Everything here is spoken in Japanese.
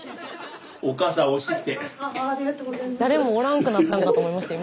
スタジオ誰もおらんくなったんかと思いました今。